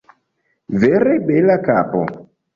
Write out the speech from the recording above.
Vere bela kapo.